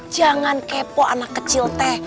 jangan kepo anak kecil teh